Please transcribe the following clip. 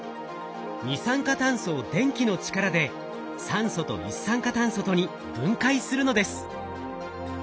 二酸化炭素を電気の力で酸素と一酸化炭素とに分解するのです。